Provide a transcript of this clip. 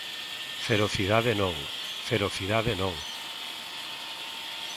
Ferocidade non, ferocidade non.